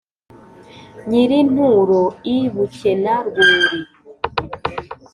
nyir-inturo i bukena-rwuri,